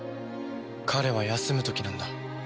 彼は休む時なんだ。